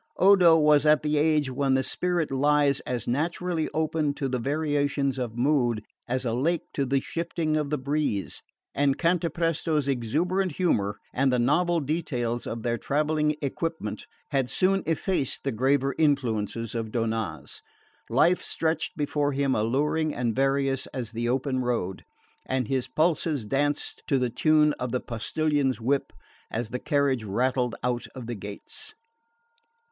Odo was at the age when the spirit lies as naturally open to the variations of mood as a lake to the shifting of the breeze; and Cantapresto's exuberant humour, and the novel details of their travelling equipment, had soon effaced the graver influences of Donnaz. Life stretched before him alluring and various as the open road; and his pulses danced to the tune of the postillion's whip as the carriage rattled out of the gates.